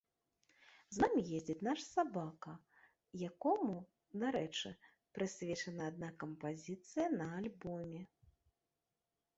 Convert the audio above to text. З намі ездзіць наш сабака, якому, дарэчы, прысвечаная адна кампазіцыя на альбоме.